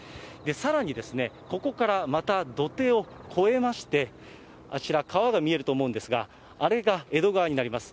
さらにここからまた土手を越えまして、あちら、川が見えると思うんですが、あれが江戸川になります。